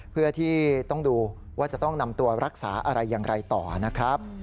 เพื่อที่ต้องดูว่าจะต้องนำตัวรักษาอะไรอย่างไรต่อนะครับ